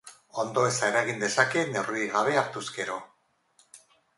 Ondoeza eragin dezake neurririk gabe hartuz gero.